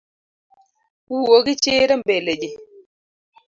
Wuo gichir embele ji